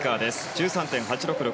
１３．８６６